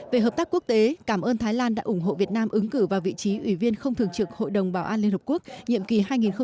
về hợp tác quốc tế cảm ơn thái lan đã ủng hộ việt nam ứng cử vào vị trí ủy viên không thường trực hội đồng bảo an liên hợp quốc nhiệm kỳ hai nghìn hai mươi hai nghìn hai mươi một